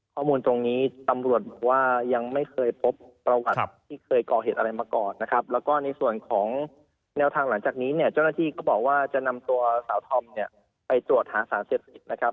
ข้อมูลตรงนี้ตำรวจบอกว่ายังไม่เคยพบประวัติที่เคยก่อเหตุอะไรมาก่อนนะครับแล้วก็ในส่วนของแนวทางหลังจากนี้เนี่ยเจ้าหน้าที่ก็บอกว่าจะนำตัวสาวธอมเนี่ยไปตรวจหาสารเสพติดนะครับ